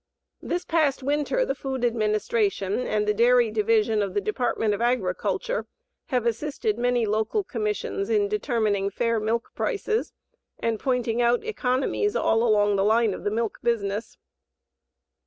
This past winter the Food Administration and the Dairy Division of the Department of Agriculture have assisted many local commissions in determining fair milk prices and pointing out economies all along the line of the milk business.